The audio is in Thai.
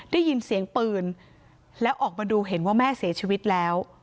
ได้ยินเสียงปืนแล้วออกมาดูเห็นว่าแม่เสียชีวิตแล้ว